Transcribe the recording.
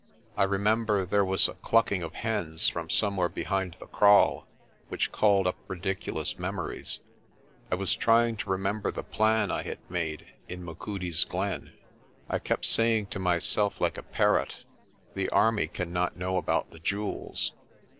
I remember there was a cluck ing of hens from somewhere behind the kraal, which called up ridiculous memories. I was trying to remember the plan I had made in Machudi's glen. I kept saying to myself like a parrot: "The army cannot know about the jewels.